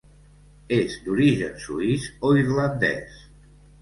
És d'origen suís o irlandès.